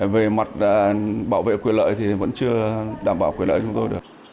về mặt bảo vệ quyền lợi thì vẫn chưa đảm bảo quyền lợi chúng tôi được